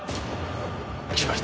きました。